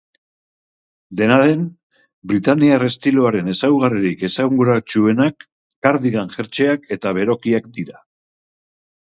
Dena den, britainiar estiloaren ezaugarririk esanguratsuenak cardigan jertseak eta berokiak dira.